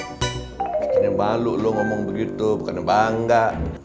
bukan yang baru lo ngomong begitu bukan yang bangga